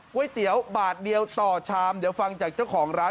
ก๋วยเตี๋ยวบาทเดียวต่อชามเดี๋ยวฟังจากเจ้าของร้าน